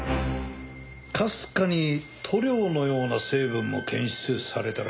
かすかに塗料のような成分も検出されたらしい。